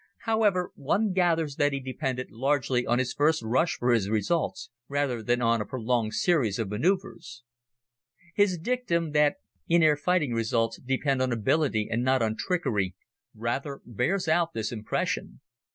However, one gathers that he depended largely on his first rush for his results, rather than on a prolonged series of manoeuvres. His dictum that "in air fighting results depend on ability and not on trickery," rather bears out this impression.